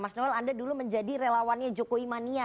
mas noel anda dulu menjadi relawannya jokowi mania